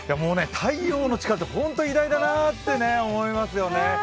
太陽の力って本当、偉大だなと思いますよね。